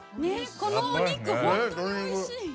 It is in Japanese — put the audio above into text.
このお肉ほんとにおいしい。